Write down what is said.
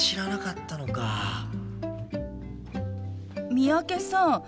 三宅さん